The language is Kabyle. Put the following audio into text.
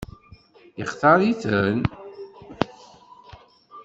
Yextaṛ-iten?